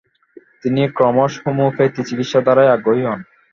তিনি ক্রমশ হোমিওপ্যাথি চিকিৎসা ধারায় আগ্রহী হন।